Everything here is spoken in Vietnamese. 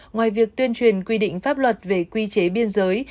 ngoài việc tuyên truyền quy định pháp luật về quy chế biên giới